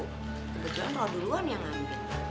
kebetulan kalau duluan yang ngambil